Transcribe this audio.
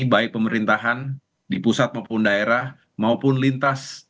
baik pemerintahan di pusat maupun daerah maupun lintas